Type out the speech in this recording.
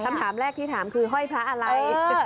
คำถามแรกที่ถามคือห้อยพระอะไร